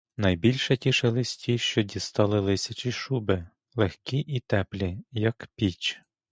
Найбільше тішилися ті, що дістали лисячі шуби, легкі і теплі, як піч.